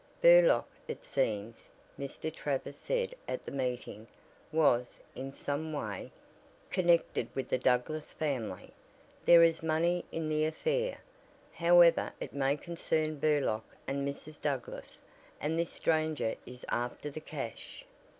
"Burlock, it seems," Mr. Travers said at the meeting, "was, in some way, connected with the Douglass family. There is money in the affair, however it may concern Burlock and Mrs. Douglass, and this stranger is after the cash."